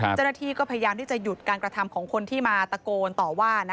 เจ้าหน้าที่ก็พยายามที่จะหยุดการกระทำของคนที่มาตะโกนต่อว่า